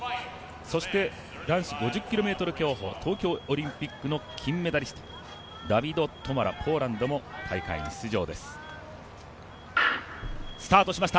そして、男子５０ｋｍ競歩東京オリンピック金メダリストダビド・トマラポーランドが出場します。